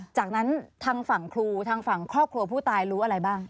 จากนั้นทางฝั่งครูทางฝั่งครอบครัวผู้ตายรู้อะไรบ้าง